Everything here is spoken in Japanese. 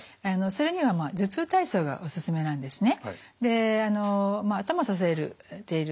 それには頭痛体操がおすすめなんですね。